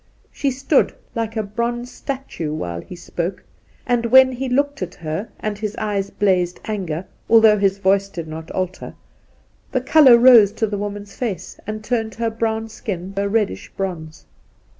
She stood like a bronze statue while he spoke, and when he looked at her and his eyes blazed anger, although his voice did not alter, the colour rose to the woman's face, and turned her brown skin a reddish bronze.